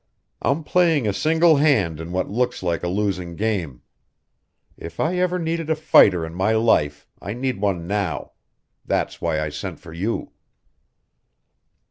I'm playing a single hand in what looks like a losing game. If I ever needed a fighter in my life I need one now. That's why I sent for you."